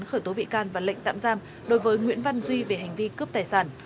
khởi tố bị can và lệnh tạm giam đối với nguyễn văn duy về hành vi cướp tài sản